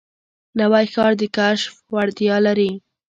نوی ښار د کشف وړتیا لري